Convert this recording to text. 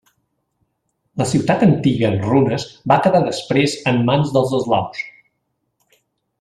La ciutat antiga en runes va quedar després en mans dels eslaus.